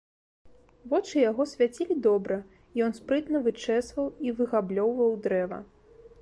Вочы яго свяцілі добра, і ён спрытна вычэсваў і выгаблёўваў дрэва.